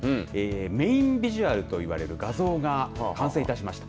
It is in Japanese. メーンビジュアルと言われる画像が完成しました。